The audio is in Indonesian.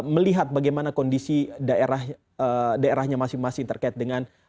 melihat bagaimana kondisi daerahnya masing masing terkait dengan